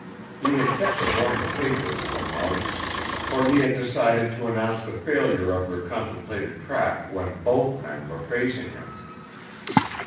He had kept the morning papers from Muggs, for he had decided to announce the failure of their contemplated trap when both men were facing him.